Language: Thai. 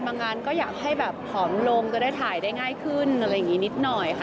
งานก็อยากให้แบบผอมลงจะได้ถ่ายได้ง่ายขึ้นอะไรอย่างนี้นิดหน่อยค่ะ